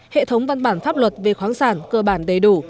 hệ thống văn bản pháp luật về khoáng sản cơ bản đầy đủ